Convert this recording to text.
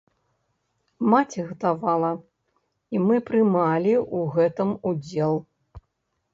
Маці гатавала, і мы прымалі ў гэтым удзел.